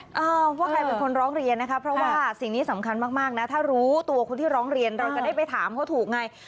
เออว่าใครเป็นคนร้องเรียนนะคะเพราะว่าสิ่งนี้สำคัญมากนะถ้ารู้ตัวคนที่ร้องเรียนเราจะได้ไปถามเขาถูกไง